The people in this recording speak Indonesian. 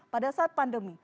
pada saat pandemi